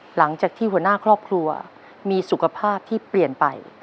หลังจากที่หัวหน้าครอบครัวมีสุขภาพที่เปลี่ยนไป